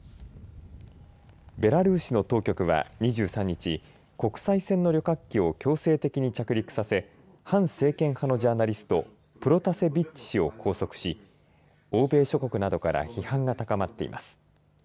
ベラルーシの当局は２３日国際線の旅客機を強制的に着陸させ反政権派のジャーナリストプロタセビッチ氏を拘束し欧米諸国などから批判が高まっています。